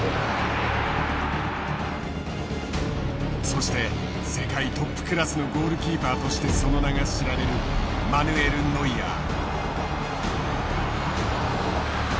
そして世界トップクラスのゴールキーパーとしてその名が知られるマヌエル・ノイアー。